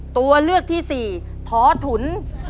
ตัวเลือกที่๔ท้อถุน